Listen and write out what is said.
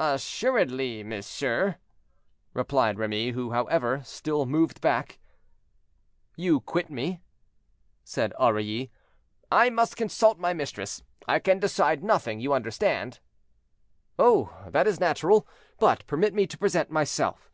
"Assuredly, monsieur," replied Remy, who, however, still moved back. "You quit me," said Aurilly. "I must consult my mistress; I can decide nothing, you understand." "Oh! that is natural; but permit me to present myself.